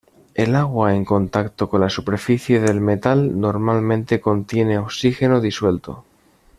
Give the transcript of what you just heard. El agua en contacto con la superficie del metal normalmente contiene oxígeno disuelto.